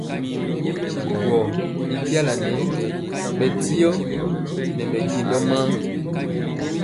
Gɔ y jala nɛɛ bɛ diɔ nɛ mɛjɛndɔ maa.